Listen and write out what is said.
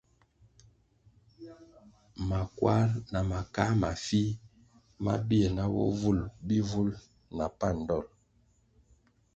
Makwar na makā mafih ma bir na bovulʼ bihvul na pan dol.